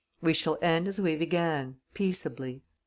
We shall end as we began, peaceably."